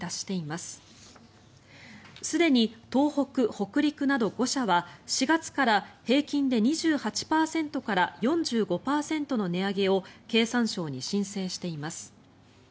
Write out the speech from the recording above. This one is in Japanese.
すでに東北、北陸など５社は４月から平均で２８％から４５％の値上げを経産省に申請しています。